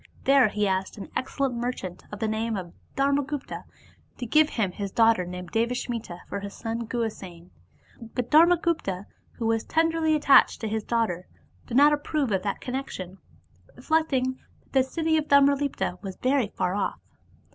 There he asked an excellent merchant of the name of Dharmagupta to give him his daughter named Devasmita for his son Guhasena. But Dharmagupta, who was tenderly attached to his daughter, did not approve of that connection, reflecting that the city of Tamralipta was very far off.